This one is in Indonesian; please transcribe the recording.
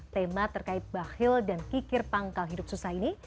tema terkait bahhil dan kikir pangkal hidup susah ini